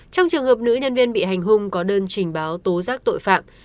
trong trường hợp nữ nhân viên bị hành hung có đơn trình báo tố giác tội phạm